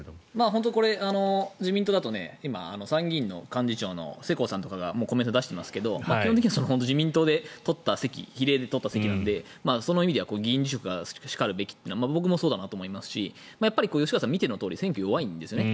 本当にこれ、自民党だと今、参議院の幹事長の世耕さんとかがコメントを出していますが基本的には自民党で比例で取った席なのでその意味では議員辞職がしかるべきというのは僕もそうだなと思いますし吉川さん、見てのとおり選挙、弱いんですよね。